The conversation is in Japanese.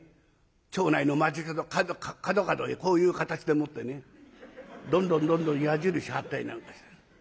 町内の街角角々へこういう形でもってねどんどんどんどん矢印貼ったりなんかして。